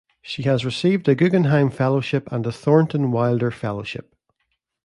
She has received a Guggenheim Fellowship and a Thornton Wilder Fellowship.